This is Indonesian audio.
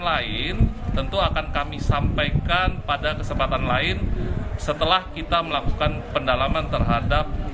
lain tentu akan kami sampaikan pada kesempatan lain setelah kita melakukan pendalaman terhadap